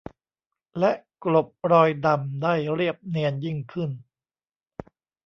และกลบรอยดำได้เรียบเนียนยิ่งขึ้น